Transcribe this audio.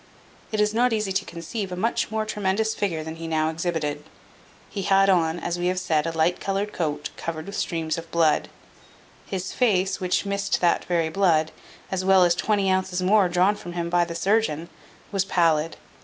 It is not easy to conceive a much more tremendous figure than he now exhibited. He had on, as we have said, a light coloured coat, covered with streams of blood. His face, which missed that very blood, as well as twenty ounces more drawn from him by the surgeon, was pallid.